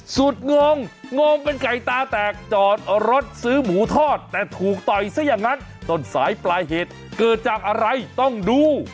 สุดงงงเป็นไก่ตาแตกจอดรถซื้อหมูทอดแต่ถูกต่อยซะอย่างนั้นต้นสายปลายเหตุเกิดจากอะไรต้องดู